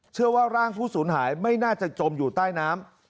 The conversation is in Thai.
เชื่อว่าร่างผู้สูญหายไม่น่าจะจมอยู่ใต้น้ำ